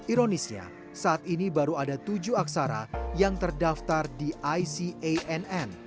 ironisnya saat ini baru ada tujuh aksara yang terdaftar di icann